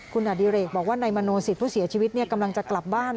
คุณอดิเรกบอกว่านายมโนสิตผู้เสียชีวิตกำลังจะกลับบ้าน